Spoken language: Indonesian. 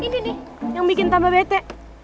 ini nih yang bikin tambah bete